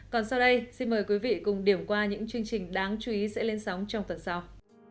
còn sau đây xin mời quý vị cùng điểm qua những chương trình đáng chú ý sẽ lên sóng trong tuần sau